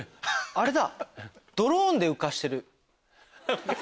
「あれだ！」